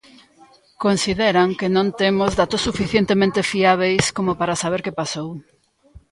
Consideran que non temos datos suficientemente fiábeis como para saber que pasou.